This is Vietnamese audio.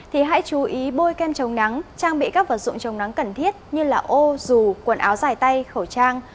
thì hãy chú ý bôi kem chống nắng trang bị các vật dụng chống nắng cần thiết như ô dù quần áo dài tay khẩu trang